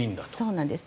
そうなんです。